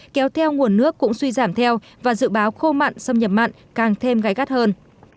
kéo theo nguồn nước cũng suy giảm theo và dự báo khô mặn xâm nhập mặn càng thêm gái gắt hơn